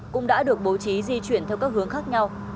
cũng đã được bố trí di chuyển theo các hướng khác nhau